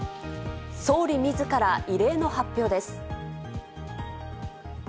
総理自ら異例の発表です。